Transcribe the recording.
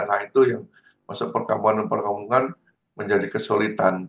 nah itu yang masuk perkampungan perkampungan menjadi kesulitan